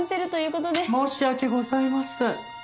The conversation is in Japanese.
申し訳ございません。